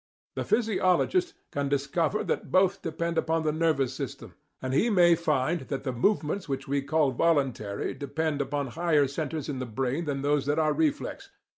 The physiologist can discover that both depend upon the nervous system, and he may find that the movements which we call voluntary depend upon higher centres in the brain than those that are reflex.